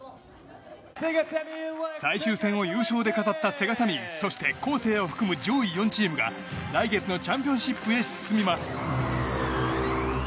最終戦を優勝で飾ったセガサミーそしてコーセーを含む上位４チームが来月のチャンピオンシップへ進みます。